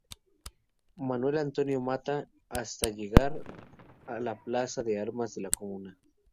Manuel Antonio Matta hasta llegar a la Plaza de Armas de la Comuna.